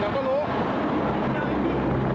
ลงมานี้